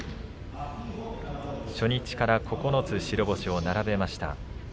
初日から９つ白星を並べました。